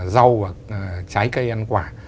rau và trái cây ăn quả